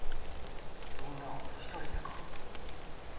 みんなを一人でか？